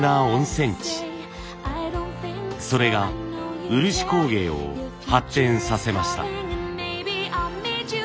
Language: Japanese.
それが漆工芸を発展させました。